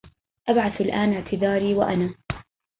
أبعث الآن اعتذاري وأنا